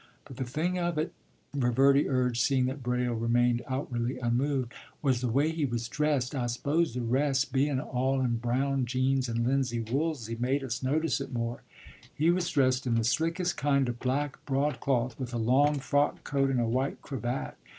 But the thing of it,” Reverdy urged, seeing that Braile remained outwardly unmoved, “was the way he was dressed. I s'pose the rest beun' all in brown jeans, and linsey woolsey, made us notice it more. He was dressed in the slickest kind of black broadcloth, with a long frock coat, and a white cravat.